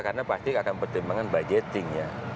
karena pasti akan pertimbangan budgeting nya